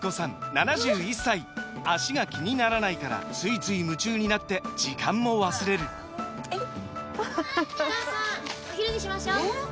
７１歳脚が気にならないからついつい夢中になって時間も忘れるお母さんお昼にしましょうえー